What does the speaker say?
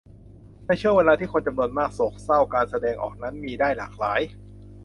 ในช่วงเวลาที่คนจำนวนมากโศกเศร้า การแสดงออกนั้นมีได้หลากหลาย